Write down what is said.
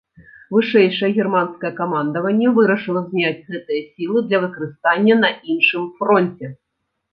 Вышэйшае германскае камандаванне вырашыла зняць гэтыя сілы для выкарыстання на іншым фронце.